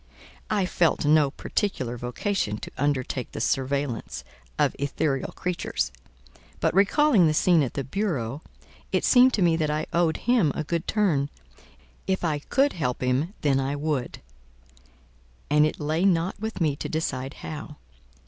I felt no particular vocation to undertake the surveillance of ethereal creatures; but recalling the scene at the bureau, it seemed to me that I owed him a good turn: if I could help him then I would, and it lay not with me to decide how.